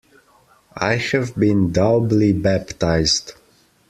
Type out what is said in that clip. I have been doubly baptized.